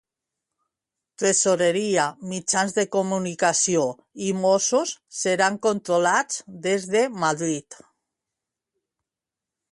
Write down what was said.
Tresoreria, mitjans de comunicació i Mossos seran controlats des de Madrid.